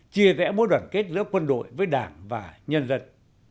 chia rẽ mối đoàn kết giữa quân đội với đảng và nhân dân